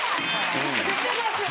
出てます。